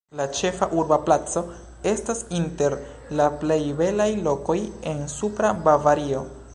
La ĉefa urba placo estas inter la plej belaj lokoj en Supra Bavario.